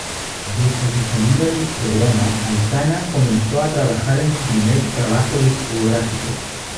Desde su salida del programa, Aitana comenzó a trabajar en su primer trabajo discográfico.